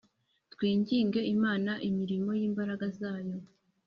Twinginge imana imirimo yimbaraga zayo